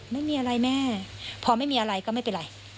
ไม่มีอะไรแม่พอไม่มีอะไรก็ไม่เป็นไร